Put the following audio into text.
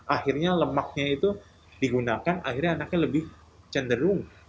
akhirnya lemaknya itu digunakan akhirnya anaknya lebih cenderung